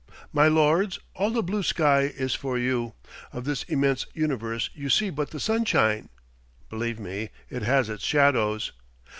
My lords, all the blue sky is for you. Of this immense universe you see but the sunshine. Believe me, it has its shadows.